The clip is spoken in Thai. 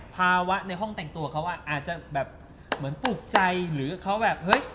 ภาวะในห้องแต่งตัวเขาอ่ะอาจจะแบบเหมือนปลูกใจหรือเขาแบบเฮ้ย